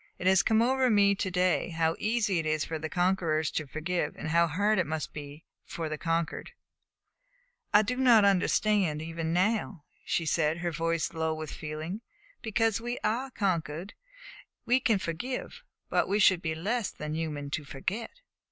It has come over me to day how easy it is for the conquerors to forgive and how hard that must be for the conquered." "You do not understand even now," she said, her voice low with feeling. "Because we are conquered we can forgive; but we should be less than human to forget."